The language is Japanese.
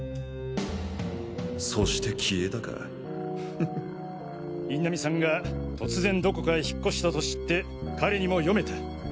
そして消えたかふふ印南さんが突然どこかへ引っ越したと知って彼にも読めた。